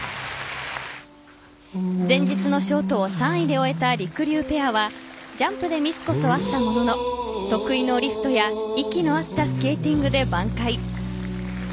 前日のショートを３位で終えた、りくりゅうペアはジャンプでミスこそあったものの得意のリフトや息の合ったスケーティングで挽回。